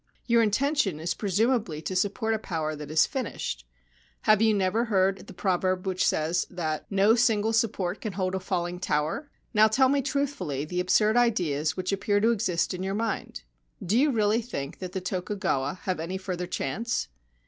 Your intention is presumably to support a power that is finished. Have you never heard the proverb which says that " No single support 228 A Stormy Night's Tragedy can hold a falling tower "? Now tell me truthfully the absurd ideas which appear to exist in your mind. Do you really think that the Tokugawa have any further chance